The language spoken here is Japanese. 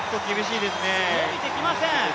のびてきません。